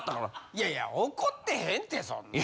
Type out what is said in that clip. いやいや怒ってへんてそんなん。